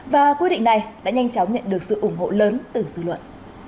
và quy định này đã nhanh chóng nhận được sự ủng hộ lớn từ dư luận